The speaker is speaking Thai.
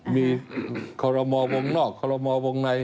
มีคอรมอวงนอกคอรมอวงใน